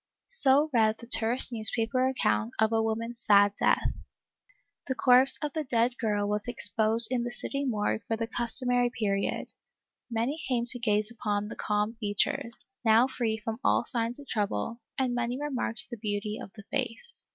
So read the terse newspaper account of a woman's sad death. The corpse of the dead girl was exposed in the city morgue for the custom ary period ; many came to gaze upon the calm features, now free from all signs of trouble, and many remarked the beauty of the face.